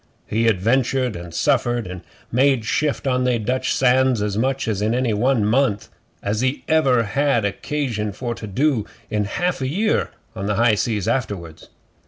He adventured and suffered and made shift on they Dutch sands as much in any one month as ever he had occasion for to do in a half year on the high seas afterwards.